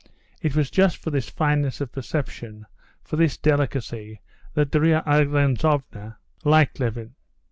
It was just for this fineness of perception, for this delicacy, that Darya Alexandrovna liked Levin.